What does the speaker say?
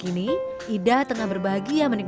kini ida tengah berbahagia menikmati kursi roda